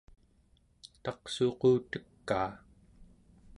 taqsuqutekaa